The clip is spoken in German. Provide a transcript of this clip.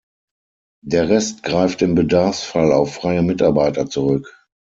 Der Rest greift im Bedarfsfall auf freie Mitarbeiter zurück.